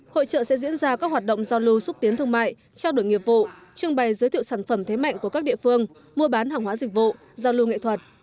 hội trợ sẽ diễn ra các hoạt động giao lưu xúc tiến thương mại trao đổi nghiệp vụ trưng bày giới thiệu sản phẩm thế mạnh của các địa phương mua bán hàng hóa dịch vụ giao lưu nghệ thuật